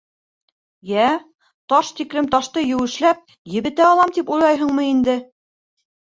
— Йә, таш тиклем ташты еүешләп, ебетә алам тип уйланыңмы инде?